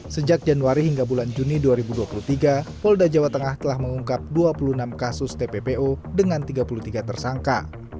sejak januari hingga bulan juni dua ribu dua puluh tiga polda jawa tengah telah mengungkap dua puluh enam kasus tppo dengan tiga puluh tiga tersangka